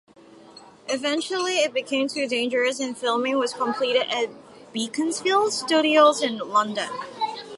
Eventually it became too dangerous and filming was completed at Beaconsfield Studios in London.